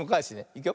いくよ。